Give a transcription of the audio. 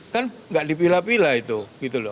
kan nggak dipilah pilah itu gitu loh